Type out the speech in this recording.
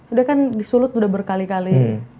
udah kan disulut udah berkali kali